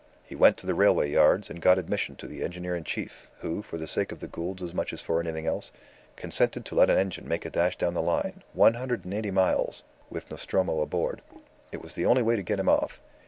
He went to the railway yards, and got admission to the engineer in chief, who, for the sake of the Goulds as much as for anything else, consented to let an engine make a dash down the line, one hundred and eighty miles, with Nostromo aboard. It was the only way to get him off.